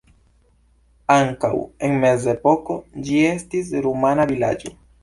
Ankaŭ en mezepoko ĝi estis rumana vilaĝo.